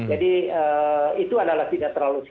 jadi itu adalah tidak terlalu signifikan